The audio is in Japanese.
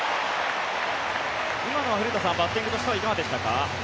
今のは古田さんバッティングとしてはいかがでしたか。